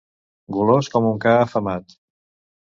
Golós com un ca afamat.